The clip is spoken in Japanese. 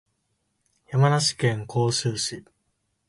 山梨県甲州市